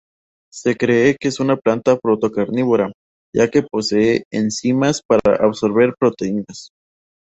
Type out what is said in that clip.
Se cree que es una planta proto-carnívora ya que posee enzimas para absorber proteínas.